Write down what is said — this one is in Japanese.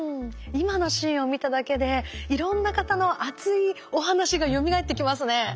今のシーンを見ただけでいろんな方の熱いお話がよみがえってきますね。